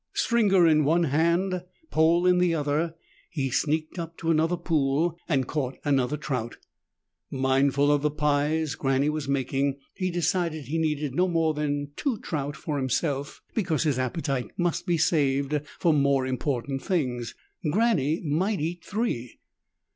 Stringer in one hand, pole in the other, he sneaked up to another pool and caught another trout. Mindful of the pies Granny was making, he decided that he needed no more than two trout for himself because his appetite must be saved for more important things. Granny might eat three.